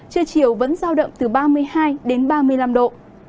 chưa chiều vẫn sao đậm từ ba mươi hai đến ba mươi năm độ